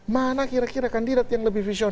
mana kira kira kandidat yang lebih vision